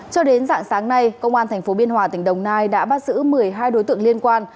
cho đến dạng sáng nay công an tp biên hòa tỉnh đồng nai đã bắt giữ một mươi hai đối tượng liên quan